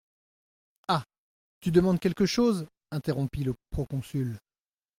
Ah ! tu demandes quelque chose ? interrompit le proconsul.